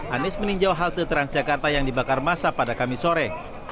anies meninjau halte transjakarta yang dibakar masa pada kamis sore